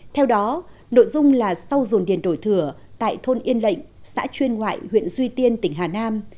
theo đó nội dung là sau dồn điền đổi thừa tại thôn yên lệnh xã chuyên ngoại huyện duy tiên tỉnh hà nam